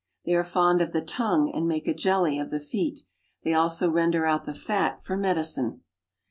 They are fond of the tongue, and make a jelly | of the feet. They also render out the fat for medicine.